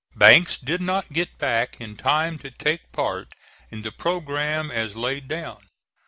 Banks did not get back in time to take part in the programme as laid down.